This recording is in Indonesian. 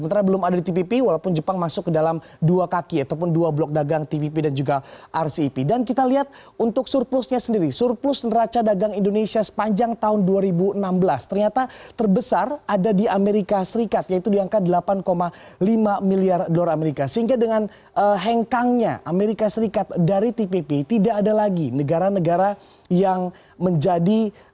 tiongkok dan juga thailand